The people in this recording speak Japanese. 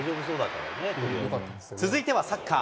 続いてはサッカー。